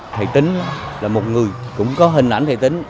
thầy tính là một người cũng có hình ảnh thầy tính